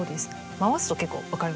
回すと結構分かりますよね。